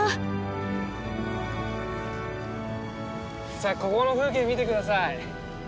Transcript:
さあここの風景見て下さい。